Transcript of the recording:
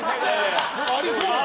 ありそう。